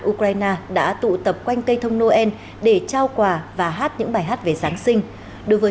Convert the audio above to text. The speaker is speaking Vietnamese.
ukraine đã tụ tập quanh cây thông noel để trao quà và hát những bài hát về giáng sinh đối với